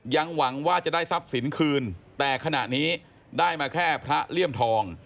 หวังว่าจะได้ทรัพย์สินคืนแต่ขณะนี้ได้มาแค่พระเลี่ยมทอง